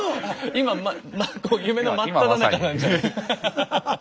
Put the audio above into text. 今夢の真っただ中なんじゃ。